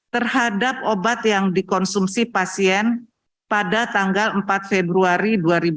terhadap obat yang dikonsumsi pasien pada tanggal empat februari dua ribu dua puluh